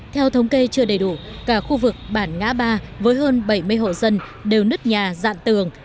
theo thống kê chưa đầy đủ cả khu vực bản ngã ba với hơn bảy mươi hộ dân đều nứt nhà dạn tường